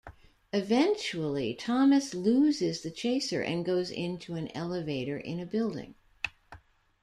Eventually, Thomas loses the chaser and goes into an elevator in a building.